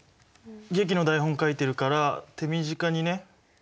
劇の台本書いてるから手短にね。